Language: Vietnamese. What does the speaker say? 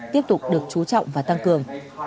tiếp tục được trú trọng và tăng cường